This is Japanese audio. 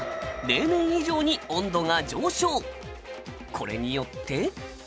これによって。